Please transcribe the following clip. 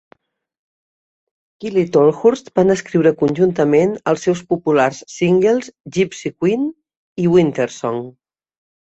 Quill i Tolhurst van escriure conjuntament els seus populars singles Gypsy Quenn i Wintersong.